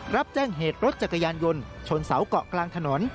รับแจ้งเหตุรถจักรยานยนต์ชนเสาเกาะกลางถนน